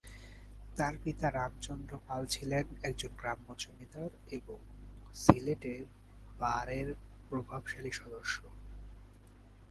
তার পিতা রামচন্দ্র পাল ছিলেন একজন গ্রাম্য জমিদার এবং সিলেট বারের প্রভাবশালী সদস্য।